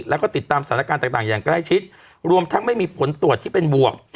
แล้วก็ติดตามสถานการณ์ต่างอย่างใกล้ชิดรวมทั้งไม่มีผลตรวจที่เป็นบวก